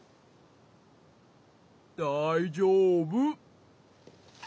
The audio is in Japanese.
だいじょうぶ！